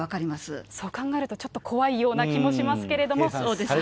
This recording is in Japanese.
そう考えると、ちょっと怖いような気もしますけれども。